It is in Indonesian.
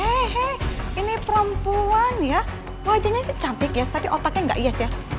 hei ini perempuan ya wajahnya sih cantik ya tapi otaknya gak yes ya